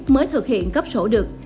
mới thực hiện cấp sổ được